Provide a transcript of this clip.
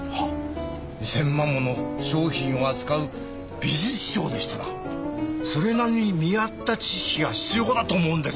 ２０００万もの商品を扱う美術商でしたらそれなりに見合った知識が必要かなと思うんです。